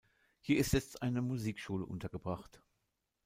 Hier ist jetzt eine Musikschule untergebracht.